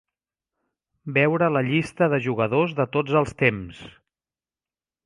Veure la llista de jugadors de tots els temps.